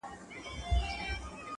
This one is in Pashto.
چي شریک یې په قدرت سي په ښکارونو!